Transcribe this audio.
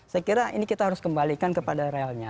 saya kira ini kita harus kembalikan kepada relnya